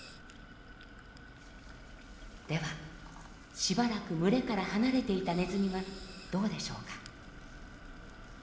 ではしばらく群れから離れていたネズミはどうでしょうか？